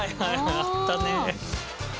あったね。